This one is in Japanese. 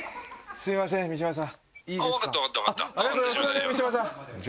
すみません三島さん！